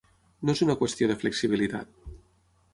No és una qüestió de flexibilitat.